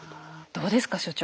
どうですか所長